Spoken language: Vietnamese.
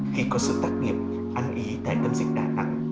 khi có sự tác nghiệp ăn ý thái tâm dịch đã tăng